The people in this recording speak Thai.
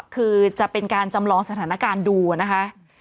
คือจะเป็นการจำลองสถานการณ์ดูนะคะ